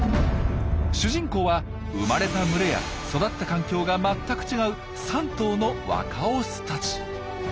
主人公は生まれた群れや育った環境が全く違う３頭の若オスたち。